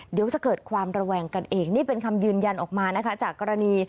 เดี๋ยวจะเกิดความระแวงกันเองนี่เป็นคำยืนยันออกมานะคะจากกรณี